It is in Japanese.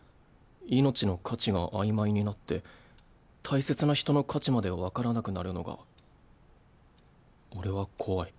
命の価値が曖昧になって大切な人の価値まで分からなくなるのが俺は怖い。